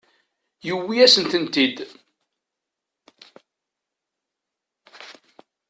Yuwi-asent-ten-id.